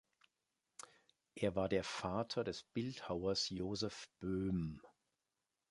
Er war der Vater des Bildhauers Joseph Boehm.